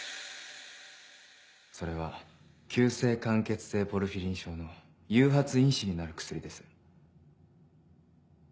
それは急性間欠性ポルフィリン症の誘発因子になる薬です。